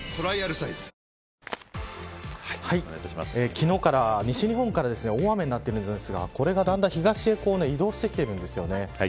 昨日から西日本から大雨になっているんですがこれがだんだん東へ移動してきているんです。